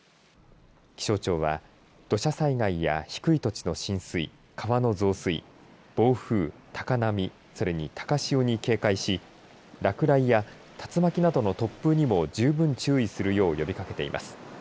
気象庁は土砂災害や低い土地の浸水川の増水暴風、高波それに高潮に警戒し落雷や竜巻などの突風にも十分注意するよう呼びかけています。